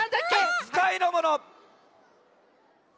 つかいのもの。